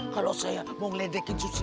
kalau saya mau meledekin susilo